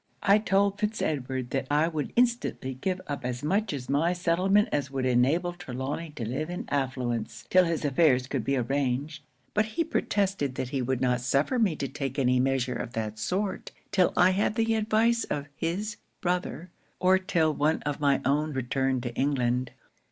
'I told Fitz Edward that I would instantly give up as much of my settlement as would enable Trelawny to live in affluence, till his affairs could be arranged; but he protested that he would not suffer me to take any measure of that sort, till I had the advice of his brother: or, till one of my own returned to England.